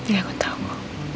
ya aku tau